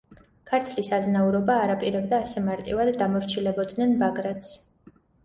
ქართლის აზნაურობა არ აპირებდა ასე მარტივად დამორჩილებოდნენ ბაგრატს.